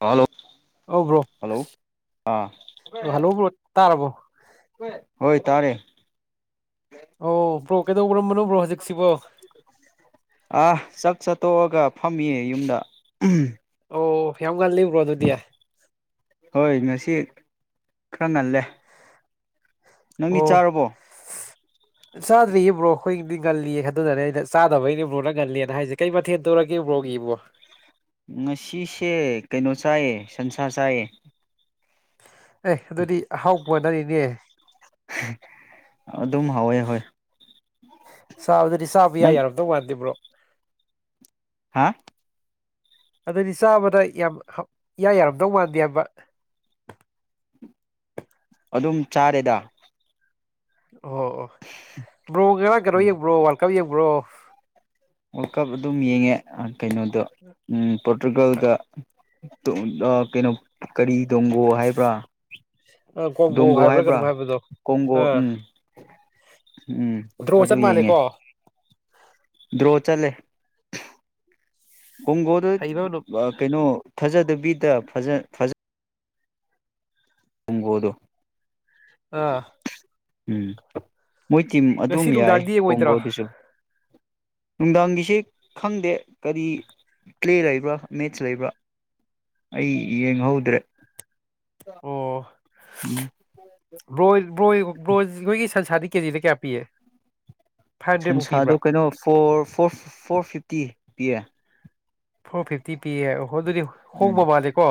Hello ꯑ ꯭ꯔꯣ hello ꯑꯥ ꯍꯜꯂꯣ ꯭ꯔꯣ ꯇꯥꯔꯕ꯭ꯔꯣ ꯍꯣꯏ ꯇꯥꯔꯦ ꯑꯣ ꯕ꯭ꯔꯣ ꯀꯩꯗꯧꯕꯔꯝꯕꯅꯣ ꯕ꯭ꯔꯣ ꯍꯧꯖꯤꯛꯁꯤꯕꯣ ꯑꯥ ꯆꯥꯛ ꯆꯥꯠꯇꯣꯛꯑꯒ ꯐꯝꯃꯤꯌꯦ ꯌꯨꯝꯗ ꯑꯣ ꯌꯥꯝ ꯀꯜꯂꯤꯕ꯭ꯔꯣ ꯑꯗꯨꯗꯤ ꯍꯣꯏ ꯉꯁꯤ ꯈꯔ ꯉꯜꯂꯦ ꯅꯪꯗꯤ ꯑꯣ ꯆꯥꯔꯕꯣ ꯁꯥꯗꯔꯤꯌꯦ ꯄꯕ꯭ꯔꯣ ꯑꯩꯈꯣꯏꯒꯤꯗꯤ ꯉꯜꯂꯤꯌꯦ ꯈꯟꯗꯨꯅꯅꯦ ꯑꯩꯅ ꯆꯥꯗꯕꯒꯤꯩꯅ ꯃꯨꯅ ꯉꯜꯂꯤꯦꯅ ꯍꯥꯏꯁꯦ ꯀꯩ ꯃꯊꯦꯜ ꯔ ꯀꯦ ꯄꯒꯦꯕ ꯆꯦ ꯀꯩꯅꯣ ꯆꯥꯏ ꯁꯟꯁꯥꯔ ꯆꯥꯏ ꯑꯦ ꯑꯗꯨꯗꯤ ꯍꯥꯎꯕꯅꯔꯤꯅꯦ ꯑꯗꯨꯝ ꯍꯥꯎꯋꯦ ꯍꯣꯏ ꯁꯥꯕꯗꯗꯤ ꯁꯥꯕ ꯌꯥꯏ ꯅꯪ ꯌꯥꯔꯝꯗꯧ ꯋꯥꯗꯦꯕ꯭ꯔꯣ ꯍꯥ ꯑꯗꯨꯗꯤ ꯆꯥꯕꯗ ꯌꯥꯝ ꯏꯌꯥ ꯌꯥꯔꯝꯗꯧ ꯃꯥꯟꯗꯦ ꯍꯥꯏꯕ ꯑꯗꯨꯝ ꯆꯥꯔꯦꯗ ꯑꯣ ꯭ꯔꯣ ꯎꯝ ꯀꯒ꯭ꯔꯣꯏ ꯭ꯔꯣ ꯋꯥ ꯀꯕ ꯌꯦꯛꯕ꯭ꯔꯣ ꯋꯥꯔ ꯀꯞ ꯑꯗꯨꯝ ꯌꯦꯡꯉꯦ ꯀꯩꯅꯣꯗꯣ ꯄꯣꯔꯇꯨꯒꯥꯜꯗ ꯑ ꯀꯩꯅꯣ ꯀꯔꯤ ꯗꯣꯡꯒꯣ ꯍꯥꯏꯕ꯭ꯔꯥ ꯑ ꯀꯣꯡꯒꯣ ꯗꯣꯡꯒꯣ ꯍꯥꯏꯕ꯭ꯔꯥ ꯀꯩꯅꯣꯝ ꯍꯥꯏꯕꯗꯣ ꯀꯣꯡꯒꯣ ꯑꯥ ꯎꯝ ꯎꯝ ꯗ꯭ꯔꯣ ꯆꯠ ꯃꯥꯜꯂꯦꯀꯣ ꯗ꯭ꯔꯣꯆꯥꯂꯦ ꯀꯣꯡꯒꯣꯗ ꯍꯩꯕ ꯀꯩꯅꯣ ꯐꯖꯗꯕꯤꯗ ꯐꯖ ꯐꯖ ꯇꯒꯣꯗꯨꯣ ꯑꯥ ꯎꯝ ꯃꯣꯏ ꯇꯤꯝ ꯉꯁꯤ ꯑꯗꯨꯝ ꯌꯥꯏ ꯅꯨꯡꯗꯥꯡꯗꯤ ꯌꯦꯡꯉꯣꯏꯗ꯭ꯔꯣ ꯀꯣꯡꯒꯣꯗꯨꯁꯨ ꯅꯨꯡꯗꯥꯡꯒꯤꯁꯦ ꯈꯪꯗꯦ ꯀꯔꯤ ꯄ꯭ꯂꯦ ꯂꯩꯕ꯭ꯔꯥ ꯃꯦꯠꯆ ꯂꯩꯕ꯭ꯔꯥ ꯑꯩ ꯌꯦꯡꯍꯧꯗ꯭ꯔꯦ ꯑꯣ ꯎꯝ ꯔꯣ ꯑꯣꯏꯒꯤꯁ ꯁꯥꯗꯤ ꯀꯦ ꯔꯦ ꯀꯌꯥ ꯄꯤꯦ ꯁꯟꯁꯥꯗꯣ ꯀꯩꯅꯣ four four four fifty ꯄꯌꯥ ꯐꯣꯔ ꯐꯤꯐꯇꯤ ꯄꯤ ꯍ ꯑꯗꯨꯗꯤ ꯎꯝ ꯍꯣꯡꯕ ꯃꯥꯂꯦꯀꯣ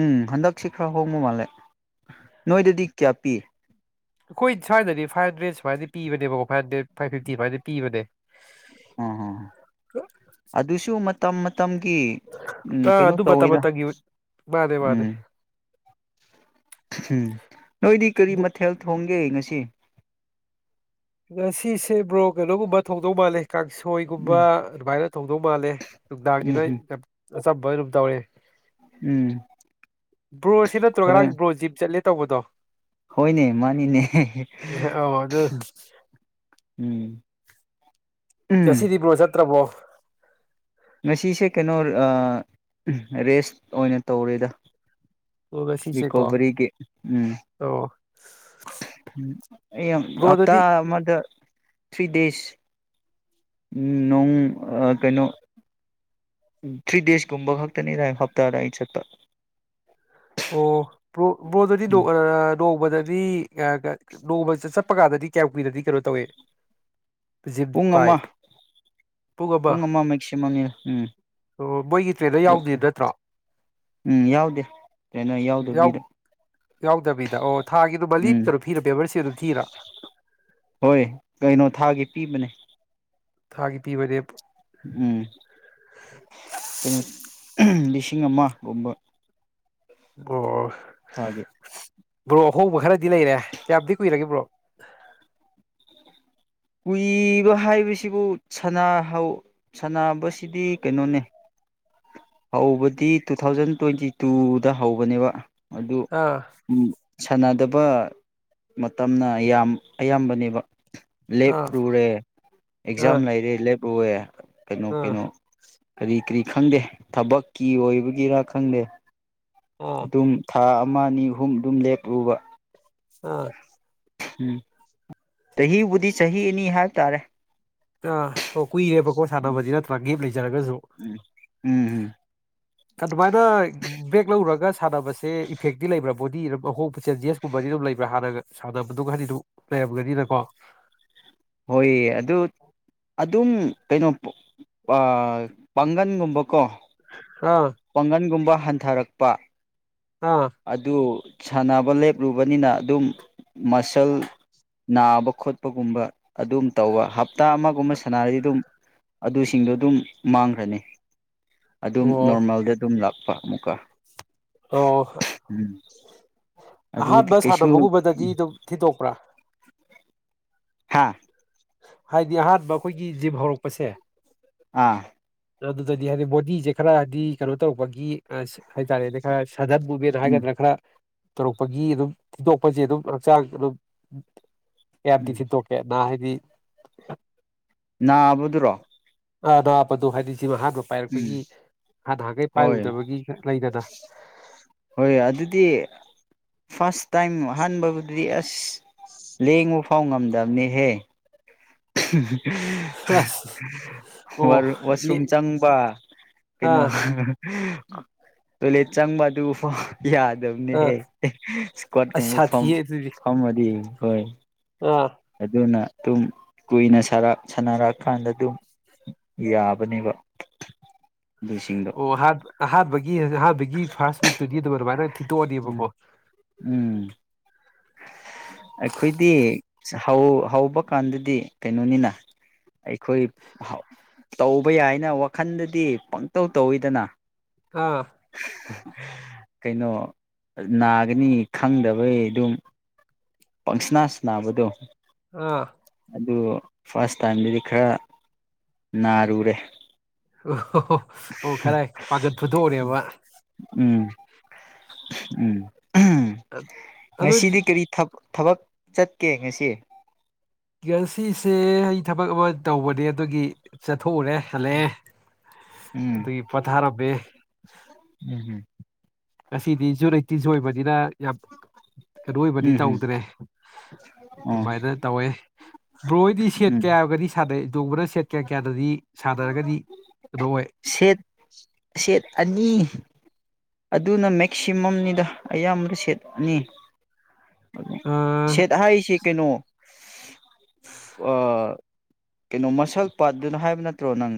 ꯎꯝ ꯍꯟꯗꯛꯁꯤ ꯈꯔ ꯍꯣꯡꯕ ꯃꯥꯜꯂꯦ ꯅꯣꯏꯗꯗꯤ ꯀꯌꯥ ꯄꯤ ꯑꯩꯈꯣꯏ ꯁ꯭ꯋꯥꯏꯗ ꯐꯥꯏꯚꯟꯗ꯭ꯔꯦꯠ ꯁꯨꯃꯥꯏꯅ ꯄꯤꯕꯅꯦꯕꯀꯣ ꯐꯥꯏꯚꯟ꯭ꯔꯦ ꯐꯥꯏꯚ ꯐꯤꯞꯇꯤ ꯁꯨꯃꯥꯏꯅ ꯄꯤꯕꯅꯦ ꯑ ꯍ ꯑꯗꯨꯁꯨ ꯃ ꯇ ꯃꯇꯝꯒꯤ ꯎꯝ ꯑꯥ ꯀꯩꯅꯣ ꯑꯗꯨ ꯃꯇꯝ ꯇꯧꯋꯦꯗ ꯃꯇꯝꯒꯤ ꯃꯥꯅꯦ ꯃꯥꯅꯦ ꯎꯝ ꯎꯝ ꯅꯣꯏꯗꯤ ꯀꯔꯤ ꯕ꯭ꯔꯣ ꯃꯊꯦꯜ ꯊꯣꯡꯒꯦ ꯉꯁꯤ ꯀ ꯔꯁꯤꯁꯦꯕ꯭ꯔꯣꯛ ꯀꯩꯅꯣꯒꯨꯝꯕ ꯊꯧꯗꯧ ꯃꯥꯜꯂꯦ ꯀꯥꯡꯁꯣꯏꯒꯨꯝꯕ ꯎꯝ ꯑꯗꯨꯃꯥꯏꯅ ꯇꯧꯗꯧ ꯃꯥꯜꯂꯦ ꯎꯝ ꯁꯗꯥꯔꯖꯤꯗ ꯎꯝ ꯁꯣꯏꯔꯨꯕ ꯇꯧꯋꯦ ꯎꯝ ꯕ꯭ꯔꯣꯁꯤ ꯅꯠꯇ꯭ꯔꯣ ꯉꯔꯥꯡ ꯍꯣꯔꯦꯟ ꯕ꯭ꯔꯣ ꯖꯤꯞ ꯆꯠꯂꯦ ꯇꯧꯕꯗꯣ ꯍꯣꯏꯅꯦ ꯃꯥꯅꯤꯅꯦ ꯑꯦ ꯑꯧ ꯑꯗꯨ ꯎꯝ ꯎꯝ ꯆꯁꯤꯗꯤꯕ꯭ꯔꯣ ꯆꯠꯇ꯭ꯔꯕꯣ ꯉꯁꯤꯁꯦ ꯀꯩꯅꯣ ꯔꯦꯁ ꯑꯣꯏꯅ ꯇꯧꯔꯦꯗ ꯑꯣ ꯉꯁꯤꯁꯦꯀꯣ ꯀꯣꯕꯔꯤꯒ ꯎꯝ ꯑꯣ ꯕ꯭ꯔꯣ ꯍꯞꯇꯥ ꯑꯗꯨꯗꯤ ꯃ ꯊ꯭ꯔꯤꯗꯦꯁ ꯅꯣꯡ ꯀꯩꯅꯣ ꯊ꯭ꯔꯤ ꯗꯦꯖꯀꯨꯝꯕ ꯈꯛꯇꯅꯤ ꯔꯥꯏ ꯍꯞꯇꯥꯗ ꯑꯩꯗ ꯆꯠꯄ ꯑꯣꯣ꯭ꯔꯣꯗꯤ ꯎꯝ ꯅꯣꯡꯃꯗꯗꯤ ꯅꯣꯡꯃ ꯆꯠꯄ ꯀꯥꯟꯗꯗꯤ ꯀꯌꯥꯨꯀꯤꯗꯗꯤ ꯀꯩꯅꯣ ꯇꯧꯋꯦ ꯄꯨꯡ ꯑꯃ ꯄꯨꯡ ꯑꯃ ꯃꯦꯛꯁꯤꯃꯝꯅꯤ ꯎꯝ ꯑꯣ ꯃꯣꯏꯒꯤ ꯇ꯭ꯔꯦꯟꯗ ꯌꯥꯎꯗꯦ ꯅꯠꯇ꯭ꯔꯣ ꯇ꯭ꯔꯦꯅꯔ ꯌꯥꯎ ꯌꯥꯎꯗꯕꯤꯗ ꯌꯥꯎꯗꯕꯤꯗ ꯑꯣ ꯊꯥꯒꯤꯗꯨꯕ ꯎꯝ ꯂꯤꯞꯇꯔꯣ ꯊꯤꯔ ꯄꯦꯕꯔꯁꯤ ꯑꯗꯨꯝ ꯊꯤꯔ ꯍꯣꯏ ꯀꯩꯅꯣ ꯊꯥꯒꯤ ꯄꯤꯕꯅꯦ ꯊꯥꯒꯤ ꯄꯤꯕꯗꯦ ꯎꯝ ꯀꯩꯅꯣ ꯂꯤꯁꯤꯡ ꯑꯃꯒꯨꯝꯕ [unintelligible] ꯊꯦ ꯭ꯔꯣ ꯍꯣꯕ ꯈꯔ ꯗꯤ ꯂꯩꯔꯦ ꯀꯌꯥꯗꯤ ꯀꯨꯏꯔꯒꯦꯕ꯭ꯔꯣ [unintelligible] ꯀꯨꯏꯕ ꯍꯥꯏꯕꯁꯤꯕꯨ ꯁꯍ ꯁꯕꯁꯤꯗꯤ ꯀꯩꯅꯣꯅꯦ ꯍꯧꯕꯗꯤ ꯇꯨ ꯊꯥꯎꯖꯟ ꯇ꯭ꯋꯦꯟꯇꯤ ꯇꯨꯗ ꯍꯧꯕꯅꯦꯕ ꯑꯗꯨ ꯑꯥ ꯎꯝ ꯁꯥꯟꯅꯗꯕ ꯃꯇꯝꯅ ꯌꯥꯝ ꯑꯌꯥꯝꯕꯅꯦꯕ ꯑꯥ ꯂꯦꯞꯔꯨꯔꯦ ꯑꯦꯛꯖꯥꯝ ꯑꯥ ꯂꯩꯔꯦ ꯂꯦꯞ ꯋꯦ ꯀꯩꯅꯣ ꯑꯥ ꯀꯩꯅꯣ ꯀꯔꯤ ꯀꯔꯤ ꯈꯪꯗꯦ ꯊꯕꯛꯀꯤ ꯑꯣꯏꯕꯒꯤꯔ ꯈꯪꯗꯦ ꯑꯥ ꯑꯗꯨꯝ ꯊꯥ ꯑꯃ ꯑꯅꯤ ꯑꯍꯨꯝ ꯑꯗꯨꯝ ꯂꯦꯞꯂꯨꯕ ꯑꯥ ꯎꯝ ꯆꯍꯤꯕꯨꯗꯤ ꯆꯍꯤꯅꯤ ꯍꯥꯏꯕ ꯇꯥꯔꯦ ꯑ ꯑꯣꯦ ꯀꯨꯏꯔꯦꯕꯀꯣ ꯎꯝ ꯁꯥꯟꯅꯕꯗꯤ ꯅꯠꯇ꯭ꯔꯒ ꯒꯞ ꯂꯩꯖꯔꯒꯁꯨ ꯎꯝ ꯎꯝ ꯎꯝ ꯑꯗꯨꯃꯥꯏꯅ ꯕꯦꯛ ꯂꯧꯔꯒ ꯁꯥꯟꯅꯕꯁꯦ ꯏꯐꯦꯛꯇꯤ ꯂꯩꯕ꯭ꯔꯥ ꯕꯣꯗꯤ ꯑꯗꯨꯝ ꯑꯍꯣꯡꯕ ꯆꯦꯟꯖꯦꯁꯀꯨꯝꯕꯗꯤ ꯑꯗꯨꯝ ꯂꯩꯕ꯭ꯔꯥ ꯍꯥꯟꯅꯒ ꯁꯥꯟꯅꯕꯗꯨ ꯍꯥꯏꯗꯤ ꯑꯗꯨꯝ ꯂꯩꯔꯝꯒꯅꯤꯅꯀꯣ ꯍꯣꯏ ꯑꯗꯨ ꯑꯗꯨꯝ ꯀꯩꯅꯣ ꯄꯥꯡꯒꯟꯒꯨꯝꯕꯀꯣ ꯑꯥ ꯄꯪꯟꯒꯨꯝꯕ ꯍꯟꯊꯔꯛꯄ ꯑꯥ ꯑꯗꯨꯗ ꯁꯥꯟꯅꯕ ꯂꯦꯞꯂꯨꯕꯅꯤꯅ ꯑꯗꯨꯝ ꯃꯁꯜ ꯅꯥꯕ ꯈꯣꯠꯄꯒꯨꯝꯕ ꯑꯗꯨꯝ ꯇꯧꯕꯞ ꯍꯇꯥ ꯑꯃꯒꯨꯝꯕ ꯁꯥꯟꯅꯔꯗꯤ ꯑꯗꯨꯝ ꯑꯗꯨꯁꯤꯡꯗꯣ ꯑꯗꯨꯝ ꯃꯥꯡꯈ꯭ꯔꯅꯤ ꯑꯣ ꯑꯗ ꯑꯗꯨꯝ ꯂꯥꯛꯄ ꯑꯃꯨꯛꯀ ꯑꯣ ꯎꯝ ꯑꯗꯨꯗꯤ ꯑꯍꯥꯟꯕ ꯀꯩꯁꯨ ꯁꯥꯟꯅꯕꯒꯨꯝꯕꯗꯒꯤ ꯑꯗꯨꯝ ꯊꯤꯗꯣꯛꯄ꯭ꯔꯥ ꯍꯥꯥ ꯍꯥꯏꯗꯤ ꯑꯍꯥꯟꯕ ꯑꯩꯈꯣꯏꯒꯤ ꯖꯤꯕ ꯍꯧꯔꯛꯄꯁꯦ ꯑꯥ ꯑꯗꯨꯗꯗꯤ ꯍꯥꯏꯗꯤ ꯃꯕꯣꯗꯤꯁꯦ ꯈꯔ ꯍꯥꯏꯗꯤ ꯀꯩꯅꯣ ꯇꯧꯔꯛꯧꯕꯒꯤ ꯑ ꯍꯥꯏꯇꯥꯔꯦꯅꯦ ꯈꯔ ꯁꯗꯠꯕꯨꯕꯔ ꯎꯝ ꯍꯥꯏꯒꯗ꯭ꯔꯅ ꯈꯔ ꯇꯧꯔꯛꯄꯒꯤ ꯑꯗꯨꯝ ꯊꯤꯟꯗꯣꯛꯄꯁꯦ ꯑꯗꯨꯝ ꯍꯛꯆꯥꯡ ꯑꯗꯨꯝ ꯑꯦꯔ ꯎꯝ ꯇꯗꯤꯁꯤꯤ ꯇꯣꯛꯀꯦ ꯅꯅꯥ ꯍꯥꯏꯗꯤ ꯅ ꯑꯕꯗꯨꯔꯣ ꯑꯗꯄꯗꯨ ꯍꯥꯏꯗꯤ ꯁꯤꯃ ꯍꯥꯟꯕ ꯄꯥꯏꯔꯛꯄꯒꯤ ꯍꯥꯟꯅ ꯅꯍꯥꯟꯅꯈꯩ ꯍꯣꯏ ꯄꯥꯏꯔꯨꯗꯕꯒꯤ ꯂꯩꯗꯅ ꯍꯣꯏ ꯑꯗꯨꯗꯤ ꯐꯥꯔꯁ ꯇꯥꯏꯝ ꯑꯍꯥꯟꯕꯕꯨꯗꯨꯗꯤ ꯑꯁ ꯂꯦꯡꯉꯨ ꯐꯥꯎꯉꯝꯗꯕꯅꯤꯍꯦ ꯑꯁ ꯑꯣ [unintelligible] ꯂꯤ ꯋꯥꯁꯔꯨꯝ ꯆꯪꯕ ꯀꯩꯅꯣ ꯑꯥ ꯣꯂꯦ ꯆꯪꯕꯗꯨꯐ ꯑꯥ ꯌꯥꯗꯕꯅꯦꯍꯦ ꯑꯁ ꯏꯁꯀꯣꯠꯀꯨꯝꯕ ꯁꯥꯊꯤꯌꯦ ꯐꯝꯃꯗꯤ ꯍꯣꯏ ꯑꯣ ꯑꯗꯨꯅ ꯑꯗꯨꯝ ꯀꯨꯏꯅ ꯁꯥꯟꯅꯔꯛꯑꯀꯥꯟꯗ ꯑꯗꯨꯝ ꯌꯥꯕꯅꯦꯕ ꯑꯗꯨꯁꯤꯡꯗꯣ ꯑꯣ ꯍꯥꯠ ꯍꯥꯠ ꯍꯥ ꯒꯤ ꯐꯥꯁꯔꯕꯥꯔ ꯎꯝ ꯊꯤꯠꯇꯣꯛꯑꯗꯤꯕꯀꯣ ꯎꯝ ꯑꯩꯈꯣꯏꯗꯤ ꯍꯧꯕ ꯀꯥꯟꯗꯗꯤ ꯀꯩꯅꯣꯅꯤꯅ ꯑꯩꯈꯣꯏ ꯇꯧꯕ ꯌꯥꯏꯅ ꯋꯥꯈꯜꯗꯗꯤ ꯄꯪꯇꯧ ꯇꯧꯋꯤꯗꯅ ꯑꯥ [unintelligible] ꯀꯩꯅꯣ ꯅꯥꯒꯅꯤ ꯈꯪꯗꯕꯩ ꯑꯗꯨꯝ ꯄꯪꯁꯅꯥꯁ ꯅꯥꯕꯗꯣ ꯑꯥ ꯑꯗꯨ ꯐꯥꯔꯁ ꯇꯥꯏꯝꯗꯗꯤ ꯈꯔ ꯅꯥꯔꯨꯔꯦ ꯑ ꯑꯣꯣ ꯑꯣ ꯈꯔ ꯄꯥꯒꯠꯄꯗ ꯑꯣꯏꯔꯦꯕ ꯎꯝ ꯎꯝ ꯑꯗꯨꯗꯤ ꯉꯁꯤꯗꯤ ꯀꯔꯤ ꯊ ꯊꯕꯛ ꯆꯠꯀꯦ ꯉꯁꯤ ꯉꯁꯤꯁꯦ ꯑꯩ ꯊꯕꯛ ꯑꯃ ꯇꯧꯕꯅꯦ ꯑꯗꯨꯒꯤꯠ ꯊꯣꯛꯎꯔꯦ ꯍꯜꯂꯛꯑꯦ ꯎꯝ ꯑꯗꯨꯒꯤ ꯄꯣꯊꯥꯔꯝꯃꯦ ꯎꯝ ꯉꯁꯤꯗꯤ ꯁꯖ ꯂꯩꯇꯤꯖ ꯑꯣꯏꯕꯅꯤꯅ ꯌꯥꯝ ꯀꯗꯣ ꯑꯣꯏꯕꯗꯤ ꯎꯝ ꯇꯧꯗ꯭ꯔꯦ ꯎꯝ ꯑꯗꯨ ꯥꯏꯗ ꯇꯧꯏꯦ ꯕ꯭ꯔꯣꯗꯤ ꯎꯝ ꯁꯦꯠꯀꯦ ꯍꯥꯏꯔꯒꯗꯤ ꯁꯥꯗꯩꯁꯦ ꯑꯗꯨꯒꯕꯅ ꯁꯦꯠ ꯀꯌꯥ ꯀꯌꯥꯗꯗꯤ ꯁꯥꯗꯔꯒꯗꯤ ꯁꯦꯠ ꯁꯦꯠ ꯑꯅꯤ ꯑꯗꯨꯅ ꯃꯦꯛꯁꯤꯃꯝꯅꯤꯗ ꯑꯌꯥꯝꯕ ꯁꯦꯠꯅꯤ ꯑꯥ ꯁꯦꯠ ꯍꯥꯏꯁꯦ ꯀꯩꯅꯣ [unintelligible] ꯑ ꯀꯩꯅꯣ ꯃꯁꯜ ꯄꯥꯠꯇꯅ ꯍꯥꯏꯕ ꯅꯠꯇ꯭ꯔꯣ ꯅꯪ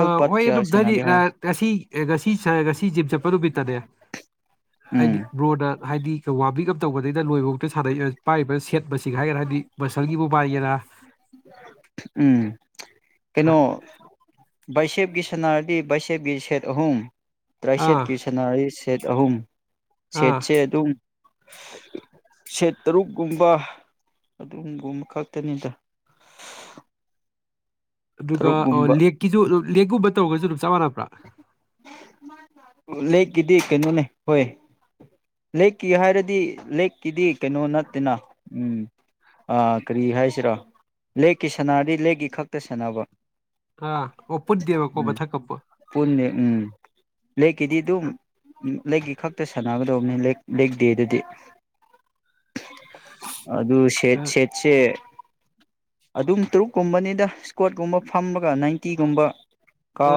ꯑ ꯄꯥꯠ ꯍꯣꯏ ꯀꯌꯥ ꯑꯗꯨꯝ ꯁꯥꯟꯅꯒꯦ ꯍꯥꯏꯕ ꯉꯁꯤ ꯉꯁꯤꯁꯤ ꯁꯤꯖꯤꯞ ꯆꯄ ꯑꯗꯨꯨ ꯄꯤ ꯇꯗꯦ ꯎꯝ ꯍꯥꯏꯗꯤ ꯕ꯭ꯔꯣꯗ ꯍꯥꯏꯗꯤ ꯋꯥꯕꯤꯒꯝ ꯇꯧꯕꯗꯩꯗ ꯂꯣꯏꯕꯕꯨꯥꯎꯛꯇꯩ ꯄꯥꯏꯔꯤꯕ ꯁꯦꯠ ꯃꯁꯤꯡ ꯍꯥꯏꯒꯅ ꯍꯥꯏꯗꯤ ꯃꯁꯜꯒꯤ ꯃꯨꯕꯥꯏꯒꯤꯔ ꯎꯝ ꯀꯩꯅꯣ ꯕꯥꯏꯁꯦꯞꯀꯤ ꯁꯅꯥꯔꯗꯤ ꯕꯥꯏꯁꯦꯞꯀꯤ ꯁꯦꯠ ꯑꯍꯨꯝ ꯑꯥ ꯇ꯭ꯔꯥꯏꯁꯦꯠꯀꯤ ꯁꯅꯥꯔꯗꯤ ꯁꯦꯠ ꯑꯍꯨꯝ ꯑꯥ ꯁꯦꯠꯁꯦ ꯑꯗꯨꯝ ꯁꯦꯠ ꯇꯔꯨꯛꯀꯨꯝꯕ ꯑꯗꯨꯝꯕꯨꯝ ꯈꯛꯇꯅꯤꯗ꯫ ꯑꯗꯨꯒ ꯑꯣ ꯇꯔꯨꯛꯀꯨꯝꯕ ꯂꯤꯛꯀꯤꯖꯨ ꯂꯤꯒ ꯎꯕ ꯇꯧꯕꯩꯖꯨ ꯑꯗꯨꯝ ꯆꯞ ꯃꯥꯟꯅ ꯂꯤꯛ ꯀꯤꯗꯤ ꯀꯩꯅꯣꯅꯦ ꯍꯣꯏ ꯂꯦꯛꯀꯤ ꯍꯥꯏꯔꯗꯤ ꯂꯦꯛꯀꯤꯗꯤ ꯀꯩꯅꯣ ꯅꯠꯇꯦꯅ ꯎꯝ ꯑꯥ ꯀꯔꯤ ꯍꯥꯏꯁꯤꯔ ꯂꯦꯛꯀꯤ ꯁꯥꯟꯅꯔꯗꯤ ꯂꯦꯛꯀꯤ ꯈꯛꯇ ꯁꯥꯟꯅꯕ꯫ ꯑ ꯑꯣ ꯄꯨꯟꯗꯦꯕꯀꯣ ꯃꯊꯛꯀ ꯄꯨꯟ ꯄꯨꯟꯅꯤ ꯎꯝ ꯂꯦꯛꯀꯤꯗꯤ ꯑꯗꯨꯝ ꯂꯦꯛꯀꯤ ꯈꯛꯇ ꯁꯥꯟꯅꯕꯗ ꯂꯦꯛ ꯂꯦꯛ ꯗꯦꯗꯗꯤ ꯑꯗꯨ ꯁꯦꯠ ꯑꯥ ꯁꯦꯠꯁꯦ ꯑꯗꯨꯝ ꯇꯔꯨꯛꯀꯨꯝꯕꯅꯤꯗ ꯏꯁꯀ꯭ꯋꯥꯠꯀꯨꯝꯕ ꯐꯝꯃꯒ ꯅꯥꯏꯟꯇꯤꯒꯨꯝꯕ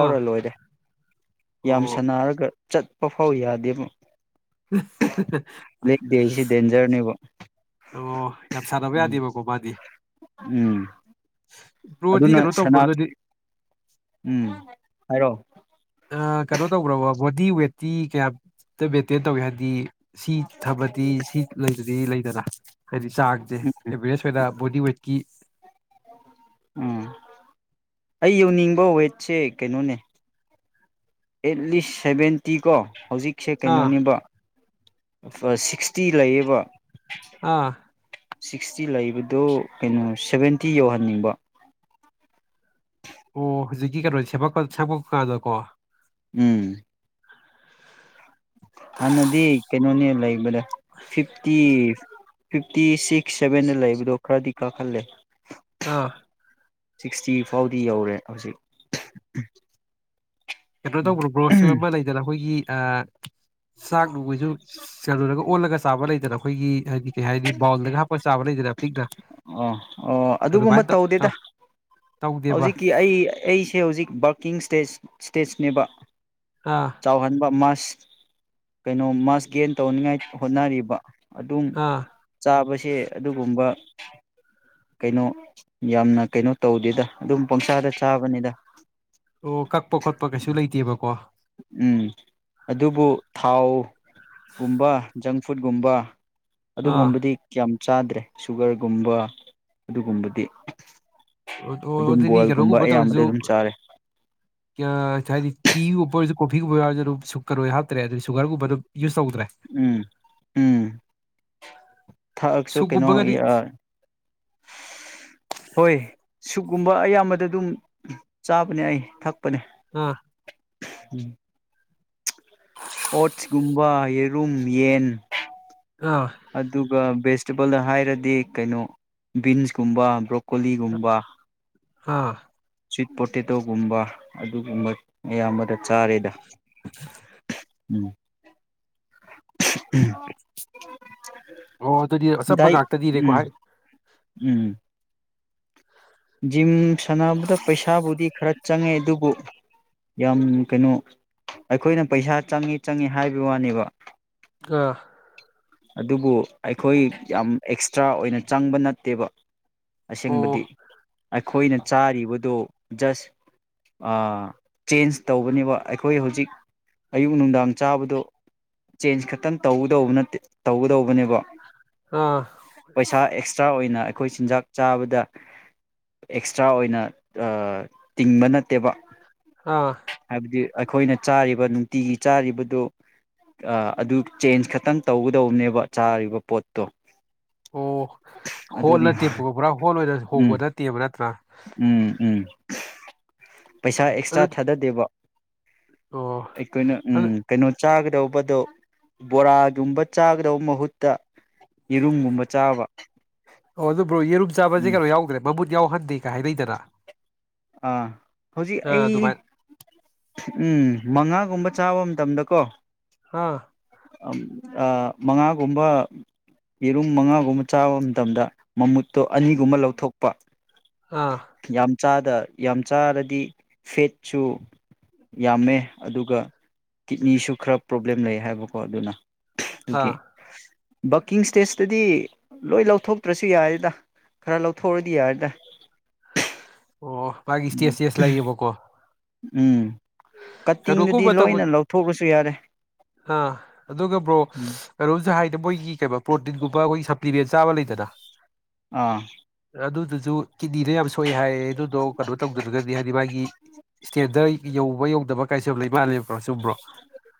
ꯑꯥ ꯂꯣꯏꯔꯦ꯫ ꯌꯥꯝ ꯑꯣ ꯁꯅꯥꯔꯒ ꯆꯠꯄ ꯐꯥꯎ ꯌꯥꯗꯦꯕ꯫ [unintelligible] ꯂꯦꯛ ꯗꯦꯁꯤ ꯗꯦꯟꯖꯔꯅꯦꯕ ꯑꯣ ꯌꯥꯝ ꯁꯥꯟꯅꯕ ꯎꯝ ꯌꯥꯗꯦꯕꯀꯣ ꯃꯥꯗꯤ? ꯍ ꯎꯝ ꯑꯗꯨꯅ ꯁꯅꯥ ꯎꯝ ꯍꯥꯏꯔꯣ ꯑ ꯀꯩꯅꯣ ꯇꯧꯕ꯭ꯔꯕ ꯕꯣꯗꯤ ꯋꯦꯠꯇꯤ ꯀꯌꯥꯝꯇ ꯃꯦꯟꯇꯦꯟ ꯇꯧꯏ ꯍꯥꯏꯕꯗꯤ ꯁꯤ ꯊꯝꯂꯗꯤ ꯁꯤ ꯂꯩꯗꯨꯗꯤ ꯂꯩꯗꯅ? ꯍꯥꯏꯗꯤ ꯆꯥꯡꯁꯦ ꯑꯦꯚꯔꯦꯖ ꯑꯣꯏꯅ ꯕꯣꯗꯤ ꯋꯦꯠꯀꯤ ꯎꯝ ꯑꯩ ꯌꯧꯅꯤꯡꯕ ꯋꯦꯠꯁꯦ ꯀꯩꯅꯣꯅꯦ ꯑꯦꯠꯂꯤꯁ ꯁꯚꯦꯟ ꯇꯤꯀꯣ ꯍꯧꯖꯤꯛꯁꯦ ꯑꯥ ꯀꯩꯅꯣꯅꯦꯕ ꯐ ꯁꯤꯛꯁ ꯇꯤ ꯂꯩꯌꯦꯕ ꯑꯥ ꯁꯤꯛꯁꯇꯤ ꯂꯩꯕꯗꯨ ꯀꯩꯅꯣ ꯁꯚꯦꯟꯇꯤ ꯌꯧꯍꯟꯅꯤꯡꯕ ꯑꯣ ꯍꯧꯖꯤꯛꯀꯤ ꯀꯩꯅꯣ ꯁꯦꯝ ꯁꯦꯝꯃꯛꯀꯥꯟꯗꯀꯣ ꯎꯝ ꯍꯥꯟꯅꯗꯤ ꯀꯩꯅꯣꯅꯦ ꯂꯩꯕꯗ ꯐꯤꯐꯇꯤ ꯐꯤꯐꯇꯤ ꯁꯤꯛꯁ ꯁꯚꯦꯟꯗ ꯂꯩꯕꯗꯣ ꯈꯔꯗꯤ ꯀꯥꯈꯜꯂꯦ ꯑꯥ ꯁꯤꯛꯁꯇꯤ ꯐꯥꯎꯗꯤ ꯌꯧꯔꯦ ꯍꯧꯖꯤꯛ ꯀꯩꯅꯣ ꯇꯧꯕ꯭ꯔꯣ ꯒ꯭ꯔꯣꯁꯁꯨ ꯑꯃ ꯂꯩꯗꯅ ꯑꯩꯈꯣꯏꯒꯤ ꯆꯥꯛ ꯅꯨꯡꯕꯩꯁꯨ ꯀꯨꯔꯒ ꯑꯣꯜꯂꯒ ꯆꯥꯕ ꯂꯩꯗꯅ ꯑꯩꯈꯣꯏꯒꯤ ꯍꯥꯏꯗꯤ ꯀꯩ ꯍꯥꯏꯅꯤ ꯕꯥꯎꯜꯗꯒ ꯍꯥꯞꯄ ꯆꯥꯕ ꯂꯩꯗꯅ ꯄꯤꯛꯅ ꯑꯣ ꯑꯣ ꯑꯗꯨꯒꯨꯝꯕ ꯑꯗꯨꯃꯥꯏꯅ ꯇꯧ ꯇꯧꯗꯦꯗ ꯇꯧ ꯇꯧꯗꯦꯕ ꯍꯧꯖꯤꯛꯀꯤ ꯑꯩ ꯑꯩꯁꯦ ꯍꯧꯖꯤꯛ ꯕꯥꯔꯀꯤꯡ ꯏꯁꯇꯦꯖ ꯏꯁꯇꯦꯖꯅꯦꯕ ꯑꯥ ꯆꯥꯎꯍꯟꯕ ꯃꯥ ꯀꯩꯅꯣ ꯃꯥꯁ ꯒꯦꯟ ꯇꯧꯅꯤꯉꯥꯏ ꯍꯣꯠꯅꯔꯤꯕ ꯑꯗꯨꯝ ꯑꯥ ꯆꯥꯕꯁꯦ ꯑꯗꯨꯒꯨꯝꯕ ꯀꯩꯅꯣ ꯌꯥꯝꯅ ꯀꯩꯅꯣ ꯇꯧꯗꯦꯗ ꯑꯗꯨꯝ ꯄꯪꯁꯥꯗ ꯆꯥꯕꯅꯤꯗ ꯑꯣ ꯀꯛꯄ ꯈꯣꯠꯄ ꯀꯩꯁꯨ ꯂꯩꯇꯦꯕꯀꯣ ꯎ ꯎꯝ ꯑꯗꯨꯕꯨ ꯊꯥꯎ ꯀꯨꯝꯕꯥ ꯪ ꯐꯨꯠꯀꯨꯝꯕ ꯑꯥ ꯑꯗꯨꯒꯨꯝꯕꯗꯤ ꯀꯌꯥꯝ ꯆꯥꯗ꯭ꯔꯦ ꯁꯨꯒꯔꯒꯨꯝꯕ ꯑꯗꯨꯒꯨꯝꯕꯗꯤ ꯑꯣ ꯑꯣ ꯑꯗꯨꯝ ꯑꯗꯨꯗꯤ ꯕꯣꯏꯜꯒꯨꯝꯕ ꯀꯩꯅꯣꯒꯨꯝꯕ ꯑꯌꯥꯝꯕꯗ ꯇꯧꯔꯁꯨ ꯑꯗꯨꯝ ꯆꯥꯔꯦ ꯍꯥꯏꯗꯤ ꯇꯤꯒꯨꯝꯕ ꯑꯣꯏꯔꯁꯨ ꯀꯣꯐꯤꯒꯨꯝꯕ ꯌꯥꯎꯔꯁꯨ ꯁꯨꯒꯔ ꯑꯣꯏ ꯍꯥꯇ꯭ꯔꯦ ꯑꯗꯨ ꯁꯨꯒꯔꯒꯨꯝꯕ ꯌꯨꯁ ꯇꯧꯗ꯭ꯔꯦ ꯎꯝ ꯎꯝ ꯊꯥꯛꯑꯁꯨ ꯀꯩꯅꯣ ꯁꯨꯒꯨꯝꯕꯒꯗꯤ ꯍꯣꯏ ꯁꯨꯛꯀꯨꯝꯕ ꯑꯌꯥꯝꯕꯗ ꯑꯗꯨꯝ ꯆꯥꯕꯅꯦ ꯑꯩ ꯊꯛꯄꯅꯦ ꯑꯥ ꯎꯝ ꯑꯣꯠꯁꯀꯨꯝꯕ ꯌꯦꯔꯨꯝ ꯌꯦꯟ ꯑꯥ ꯑꯗꯨꯒ ꯦꯁ ꯁꯇꯤꯕꯜꯗ ꯍꯥꯏꯔꯗꯤ ꯀꯩꯅꯣ ꯕꯤꯟꯁꯀꯨꯝꯕ ꯕ꯭ꯔꯣꯀꯣꯂꯤꯒꯨꯝꯕ ꯑꯥ ꯁ꯭ꯋꯤꯠ ꯄꯣꯇꯦꯇꯣꯒꯨꯝꯕ ꯑꯗꯨꯒꯨꯝꯕ ꯑꯌꯥꯝꯕꯗ ꯆꯥꯔꯦꯗ ꯎꯝ ꯑꯣ ꯑꯗꯨꯗꯤ ꯑꯆꯝꯕ ꯗꯥꯏ ꯉꯥꯛꯇꯅꯤꯅꯦꯀꯣ ꯎꯝ ꯍꯥꯏ ꯎꯝ ꯖꯤꯝ ꯁꯥꯟꯅꯕꯗ ꯄꯩꯁꯥꯕꯨꯗꯤ ꯈꯔ ꯆꯪꯉꯦ ꯑꯗꯨꯕꯨ ꯌꯥꯝ ꯀꯩꯅꯣ ꯑꯩꯈꯣꯏꯅ ꯄꯩꯁꯥ ꯆꯪꯉꯤ ꯆꯪꯉꯤ ꯍꯥꯏꯕꯩ ꯋꯥꯅꯦꯕ ꯑꯥ ꯑꯗꯨꯕꯨ ꯑꯩꯈꯣꯏ ꯌꯥꯝ ꯑꯦꯛꯁꯇ꯭ꯔꯥ ꯑꯣꯏꯅ ꯆꯪꯕ ꯅꯠꯇꯦꯕ ꯑꯁꯦꯡꯕꯗꯤ ꯑꯣ ꯑꯩꯈꯣꯏꯅ ꯆꯥꯔꯤꯕ ꯗꯣ ꯖꯁ ꯆꯦꯟꯖ ꯇꯧꯕꯅꯦꯕ ꯑꯩꯈꯣꯏ ꯍꯧꯖꯤꯛ ꯑꯌꯨꯛ ꯅꯨꯡꯗꯥꯡ ꯆꯥꯕꯗꯣ ꯆꯦꯟꯖ ꯈꯛꯇꯪ ꯇꯧꯒꯗꯧꯕ ꯅꯠꯇꯦ ꯇꯧꯒꯗꯧꯕꯅꯦꯕ ꯑꯥ ꯄꯩꯁꯥ ꯑꯦꯛꯁꯇ꯭ꯔꯥ ꯑꯣꯏꯅ ꯑꯩꯈꯣꯏ ꯆꯤꯟꯖꯥꯛ ꯆꯥꯕꯗ ꯑꯦꯛꯁꯇ꯭ꯔꯥ ꯑꯣꯏꯅ ꯇꯤꯡꯕ ꯑꯥ ꯅꯠꯇꯦꯕ ꯑꯥ ꯍꯥꯏꯕꯗꯤ ꯑꯩꯈꯣꯏꯅ ꯆꯥꯔꯤꯕ ꯅꯨꯡꯇꯤꯒꯤ ꯆꯥꯔꯤꯕꯗꯨ ꯑꯗꯨ ꯆꯦꯟꯖ ꯈꯛꯇꯪ ꯇꯧꯒꯗꯧꯕꯅꯦꯕ ꯆꯥꯔꯤꯕ ꯄꯣꯠꯇꯣ ꯑꯣ ꯍꯣꯜ ꯑꯗꯨꯅꯤ ꯅ ꯄ ꯄꯨꯔꯥ ꯍꯣ ꯂꯣꯏꯅ ꯍꯣꯡꯕ ꯎꯝ ꯅꯠꯇꯦꯕ ꯅꯠꯇ꯭ꯔꯥ ꯎꯝ ꯎꯝ ꯄꯩꯁꯥ ꯑꯦꯛꯁꯇ꯭ꯔꯥ ꯑꯗꯨꯗꯤ ꯊꯥꯗꯗꯦꯕ ꯑꯣ ꯑꯩꯈꯣꯏꯅ ꯎꯝ ꯑꯗꯨ ꯀꯩꯅꯣ ꯆꯥꯒꯗꯧꯕꯗꯣ ꯕꯣꯔꯥꯒꯨꯝꯕ ꯆꯥꯒꯗꯧꯕ ꯃꯍꯨꯠꯇ ꯌꯦꯔꯨꯝꯒꯨꯝꯕ ꯆꯥꯕ ꯑꯣ ꯑꯗꯨꯕꯨ ꯔꯣ ꯆꯥꯕꯕꯁꯦ ꯎꯝ ꯀꯩꯅꯣ ꯌꯥꯎꯗ꯭ꯔꯦ ꯃꯃꯨꯠ ꯌꯥꯎꯍꯟꯗꯦ ꯀꯩ ꯍꯥꯏꯅꯩꯗꯅ ꯑꯥ ꯍꯧꯖꯤꯛ ꯑꯥ ꯑꯩ ꯑꯗꯨꯃꯥꯏꯅ ꯎꯝ ꯃꯉꯥꯒꯨꯝꯕ ꯆꯥꯕ ꯃꯇꯝꯗ ꯀꯣ ꯑꯥ ꯃꯉꯥꯒꯨꯝꯕ ꯌꯦꯔꯨꯝ ꯃꯉꯥꯒꯨꯝꯕ ꯆꯥꯕ ꯃꯇꯝꯗ ꯃꯃꯨꯠꯇꯣ ꯑꯅꯤꯒꯨꯝꯕ ꯂꯧꯊꯣꯛꯄ ꯑꯥ ꯌꯥꯝ ꯆꯥꯗ ꯌꯥꯝ ꯆꯥꯔꯗꯤ ꯐꯦꯠꯁꯨ ꯌꯥꯝꯃꯦ ꯑꯗꯨꯒ ꯀꯤꯠꯅꯤꯁꯨ ꯈꯔ ꯄ꯭ꯔꯣꯕ꯭ꯂꯦꯝ ꯂꯩ ꯍꯥꯏꯕꯀꯣ ꯑꯗꯨꯅ ꯗꯨ ꯑꯥ ꯒꯤ ꯕꯜꯀꯤꯡ ꯁꯇꯦꯖꯇꯗꯤ ꯂꯣꯏ ꯂꯧꯊꯣꯛꯇ꯭ꯔꯁꯨ ꯌꯥꯔꯦꯗ ꯈꯔ ꯂꯧꯊꯣꯛꯑꯔꯗꯤ ꯌꯥꯔꯦꯗ ꯑꯣ ꯃꯥꯒꯤ ꯁꯇꯦꯖ ꯁꯇꯦꯖ ꯂꯩꯌꯦꯕꯀꯣ ꯎꯝ ꯀꯠꯇꯤꯡꯗꯗꯤ ꯂꯣꯏꯅ ꯂꯧꯊꯣꯛꯑꯁꯨ ꯌꯥꯔꯦ ꯑ ꯑꯗꯨꯒ ꯕ꯭ꯔꯣ ꯎꯝ ꯑꯔꯨꯖꯍꯥꯏꯗ ꯃꯣꯏꯒꯤ ꯀꯩ ꯄꯔꯣꯇꯤꯟꯒꯨꯝꯕ ꯑꯈꯣꯏ ꯁ ꯑꯄꯤꯕꯦ ꯆꯥꯕ ꯂꯩꯇꯅ ꯑꯥ ꯑꯗꯨꯗꯨꯁꯨ ꯀꯤꯠꯅꯤꯗ ꯌꯥꯝ ꯁꯣꯛꯑꯦ ꯍꯥꯏꯌꯦ ꯑꯗꯨꯗꯣ ꯀꯩꯅꯣ ꯇꯧꯗ꯭ꯔꯒꯗꯤ ꯍꯥꯏꯗꯤ ꯃꯥꯒꯤ ꯏꯁꯇꯦꯟꯗꯔꯠ ꯌꯧꯕ ꯌꯧꯗꯕ ꯀꯥꯏꯁꯨ ꯂꯩ ꯃꯥꯟꯂꯦꯕ ꯆꯨꯝꯕ꯭ꯔꯣ